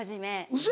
ウソ！